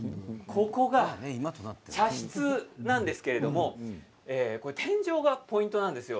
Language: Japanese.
ここは茶室なんですけれども天井がポイントなんですよ。